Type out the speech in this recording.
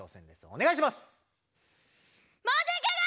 おねがいします！